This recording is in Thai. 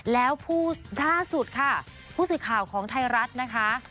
แล้วผู้ล่าสุดค่ะผู้สื่อข่าวของไทยรัฐนะคะ